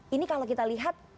ini kalau kita lihat